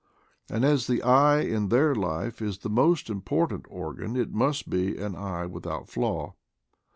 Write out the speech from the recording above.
And as the eye in their life is the most important organ, it must be an eye with out flaw.